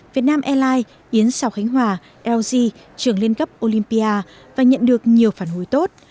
vietnam airlines yến sào khánh hòa lg trường liên cấp olympia và nhận được nhiều phản hồi tốt